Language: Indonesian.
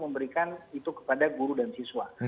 memberikan itu kepada guru dan siswa